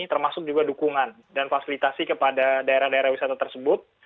termasuk juga dukungan dan fasilitasi kepada daerah daerah wisata tersebut